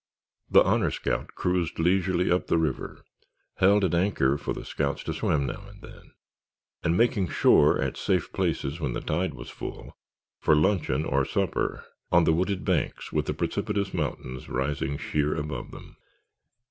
The Honor Scout cruised leisurely up the river, held at anchor for the scouts to swim now and then, and making shore at safe places when the tide was full, for luncheon or supper on the wooded banks with the precipitous mountains rising sheer above them.